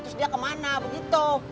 tis dia kemana begitu